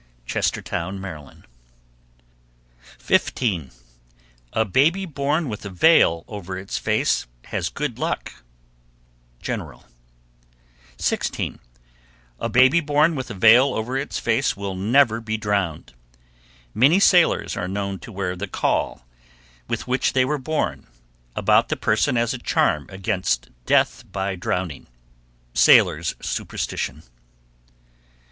Chestertown, Md. 15. A baby born with a veil over its face has good luck. General. 16. A child born with a veil over its face will never be drowned. Many sailors are known to wear the caul, with which they were born, about the person as a charm against death by drowning. _Sailor's superstition.